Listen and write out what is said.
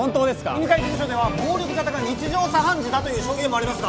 犬飼事務所では暴力沙汰が日常茶飯事だという証言もありますが？